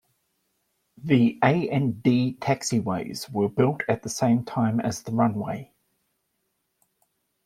The A and D taxiways were built at the same time as the runway.